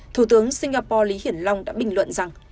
thủ tướng singapore lý hiển long đã bình luận rằng